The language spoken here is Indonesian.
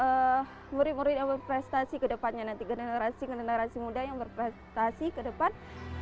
untuk murid murid yang berprestasi ke depannya nanti generasi generasi muda yang berprestasi ke depan